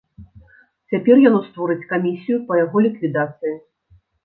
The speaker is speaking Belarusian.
Цяпер яно створыць камісію па яго ліквідацыі.